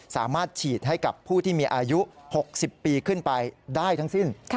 สามารถฉีดให้กับผู้ที่มีอายุ๖๐ปีขึ้นไปได้ทั้งสิ้น